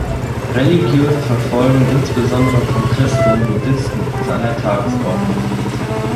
Religiöse Verfolgung, insbesondere von Christen und Buddhisten, ist an der Tagesordnung.